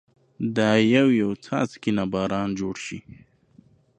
دا يو يو څاڅکي نه باران جوړ شي